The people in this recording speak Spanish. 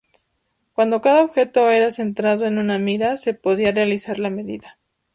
Cuando cada objeto era centrado en una mira se podía realizar la medida.